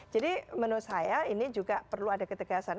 jadi menurut saya ini juga perlu ada ketegasan